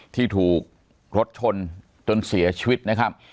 ที่ถูกรถชนจนเสียชีวิตนะครับ